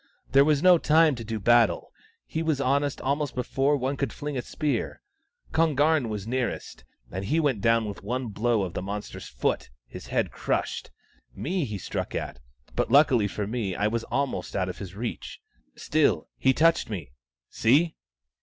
There was no time to do battle : he was on us almost before one could fling a spear. Kon garn was nearest, and he went down with one blow of the monster's foot, his head crushed. Me he struck at, but luckily for me I was almost out of his reach. Still, he touched me — see